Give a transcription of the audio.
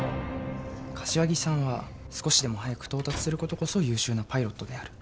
柏木さんは少しでも早く到達することこそ優秀なパイロットである。